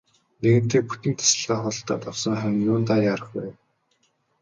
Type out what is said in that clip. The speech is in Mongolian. Нэгэнтээ бүтэн тасалгаа худалдаад авсан хойно юундаа яарах вэ.